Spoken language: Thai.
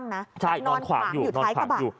นอนขวางอยู่ท้ายกระบะใช่นอนขวางอยู่นอนขวางอยู่